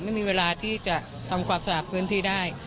ไม่มีเวลาที่จะทำความสะอาดพื้นที่ได้